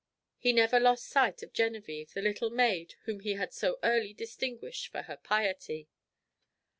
He never lost sight of Genevičve, the little maid whom he had so early distinguished for her piety.